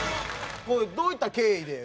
どういった経緯で？